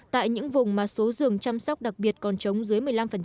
tại những vùng mà số giường chăm sóc đặc biệt còn chống dưới một mươi năm